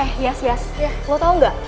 eh yas yas lo tau nggak